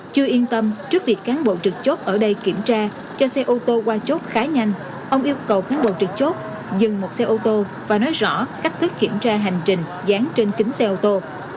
chưa yên tâm trước việc cán bộ trực chốt ở đây kiểm tra cho xe ô tô qua chốt khá nhanh ông yêu cầu cán bộ trực chốt dừng một xe ô tô và nói rõ cách thức kiểm tra hành trình dán trên kính xe ô tô